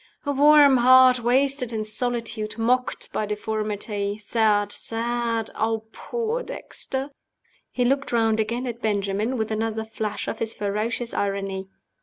"A warm heart wasted in solitude, mocked by deformity. Sad! sad! Ah, poor Dexter!" He looked round again at Benjamin, with another flash of his ferocious irony.